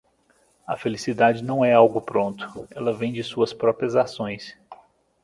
A felicidade não é algo pronto. Ela vem de suas próprias ações.